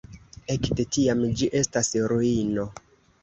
Ekde tiam ĝi estas ruino.